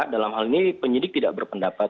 dalam hal ini penyidik tidak berpendapat